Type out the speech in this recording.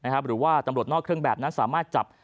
หรือว่าตำรวจนอกเครื่องแบบนั้นสามารถจับ